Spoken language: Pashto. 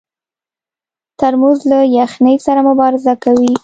ترموز له یخنۍ سره مبارزه کوي.